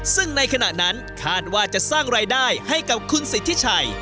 ซึ่งในขณะนั้นคาดว่าจะสร้างรายได้ให้กับคุณสิทธิชัย